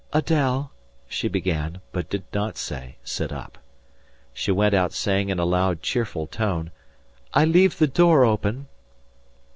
Adèle..." she began, but did not say "sit up." She went out saying in a loud, cheerful tone: "I leave the door open."